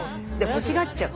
欲しがっちゃう。